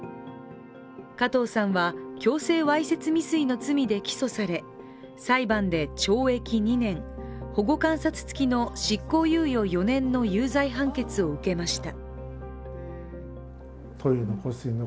加藤さんは強制わいせつ未遂の罪で起訴され裁判で懲役２年、保護観察付きの執行猶予４年の有罪判決を受けました。